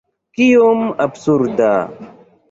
Kiom absurda!